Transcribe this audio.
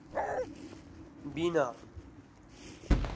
بینا